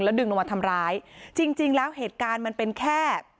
ดึงลงมาทำร้ายจริงจริงแล้วเหตุการณ์มันเป็นแค่